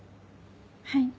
はい。